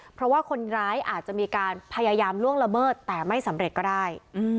เพราะว่าคนร้ายอาจจะมีการพยายามล่วงละเมิดแต่ไม่สำเร็จก็ได้